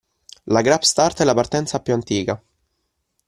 La grap start è la partenza più antica.